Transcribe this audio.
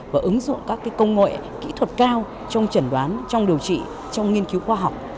và ứng dụng các công nghệ kỹ thuật cao trong trần đoán trong điều trị trong nghiên cứu khoa học